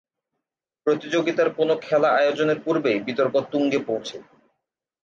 প্রতিযোগিতার কোন খেলা আয়োজনের পূর্বেই বিতর্ক তুঙ্গে পৌঁছে।